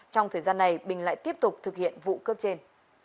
trong thời gian này bình lại tiếp tục thực hiện vụ cướp trên